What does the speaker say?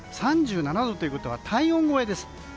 ３７度ということは体温超えです。